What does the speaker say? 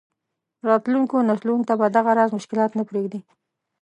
راتلونکو نسلونو ته به دغه راز مشکلات نه پرېږدي.